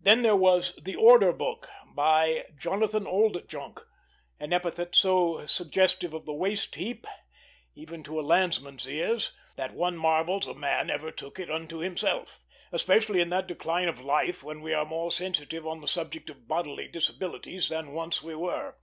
Then there was "The Order Book," by Jonathan Oldjunk; an epithet so suggestive of the waste heap, even to a landsman's ears, that one marvels a man ever took it unto himself, especially in that decline of life when we are more sensitive on the subject of bodily disabilities than once we were.